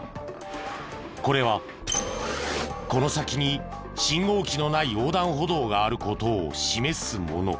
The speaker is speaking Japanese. これはこの先に信号機のない横断歩道がある事を示すもの。